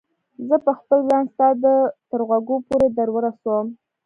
زه به خپل ځان ستا تر غوږو پورې در ورسوم.